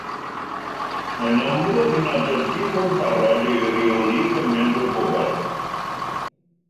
Mae'n amlwg nad ydyn nhw'n barod i reoli cymaint o bobl